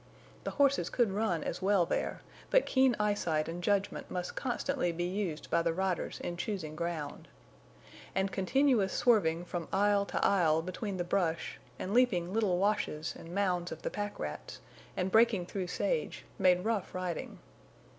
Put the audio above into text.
The horses could run as well there, but keen eyesight and judgment must constantly be used by the riders in choosing ground. And continuous swerving from aisle to aisle between the brush, and leaping little washes and mounds of the pack rats, and breaking through sage, made rough riding.